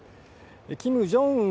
キム・ジョンウン